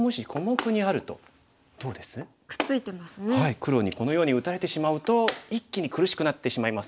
黒にこのように打たれてしまうと一気に苦しくなってしまいます。